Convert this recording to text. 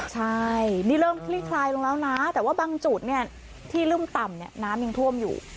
ใช่นี่เริ่มคลี่คลายลงแล้วนะแต่ว่าบางจุดเนี่ยที่รุ่มต่ำเนี่ยน้ำยังท่วมอยู่